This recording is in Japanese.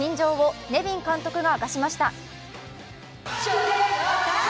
気になる近況をネビン監督が明かしました。